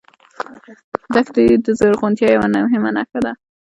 دښتې د زرغونتیا یوه مهمه نښه ده.